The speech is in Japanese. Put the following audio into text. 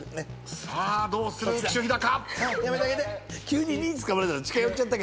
さあどうする浮所飛貴。